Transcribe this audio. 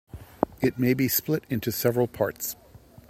It may be split into several parts.